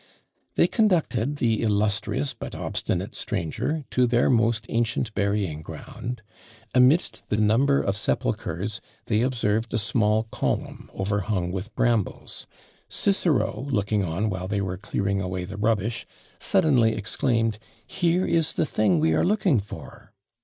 They conducted the illustrious but obstinate stranger to their most ancient burying ground: amidst the number of sepulchres, they observed a small column overhung with brambles Cicero, looking on while they were clearing away the rubbish, suddenly exclaimed, "Here is the thing we are looking for!"